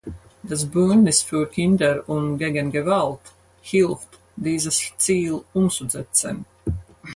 Das Bündnis für Kinder und gegen Gewalt hilft, dieses Ziel umzusetzen.